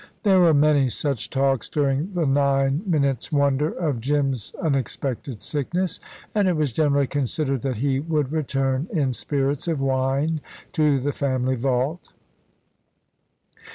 There were many such talks during the nine minutes' wonder of Jim's unexpected sickness, and it was generally considered that he would return in spirits of wine to the family vault.